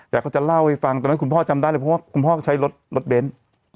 แต่เขาจะเล่าให้ฟังตอนนั้นคุณพ่อจำได้เลยเพราะว่าคุณพ่อก็ใช้รถรถเบนท์